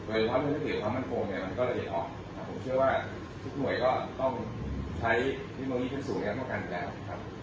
เพราะฉะนั้นเมื่อเจ้าเห็นความมั่นโฟนเนี่ยมันก็ระเทศออกผมเชื่อว่าทุกหน่วยก็ต้องใช้นิมโมงนี้เพื่อสูงแน็ตกันแล้วครับ